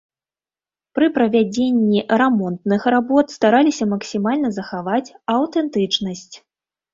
Пры правядзенні рамонтных работ стараліся максімальна захаваць аўтэнтычнасць.